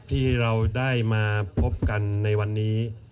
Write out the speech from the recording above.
ที่เราได้มาพบกันในวันนี้